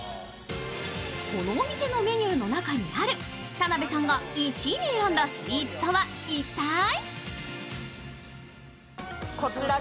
このお店のメニューの中にある田辺さんが１位に選んだスイーツとは一体？